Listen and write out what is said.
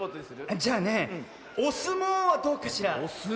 じゃあねおすもうはどうかしら？